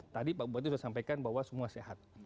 tadi pak bupati sudah sampaikan bahwa semua sehat